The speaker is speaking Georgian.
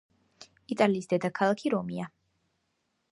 იტალიის დედაქალაქი რომია